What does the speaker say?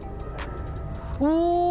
お！